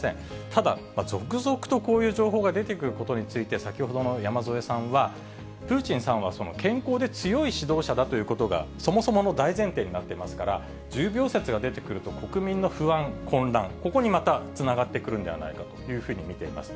ただ、続々とこういう情報が出てくることについて、先ほどの山添さんは、プーチンさんは健康で強い指導者だということが、そもそもの大前提になっていますから、重病説が出てくると、国民の不安、混乱、ここにまたつながってくるんではないかというふうに見ています。